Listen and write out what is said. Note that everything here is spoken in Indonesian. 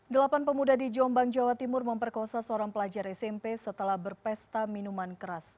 delapan pemuda di jombang jawa timur memperkosa seorang pelajar smp setelah berpesta minuman keras